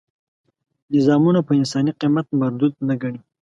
نظامونه په انساني قیمت مردود نه ګڼي.